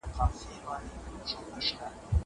هغه وويل چي وخت تېریدل ضروري دي!